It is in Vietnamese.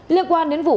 liên quan đến vụ